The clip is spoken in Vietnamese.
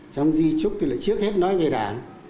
trong di trúc thì lại trước hết nói về đảng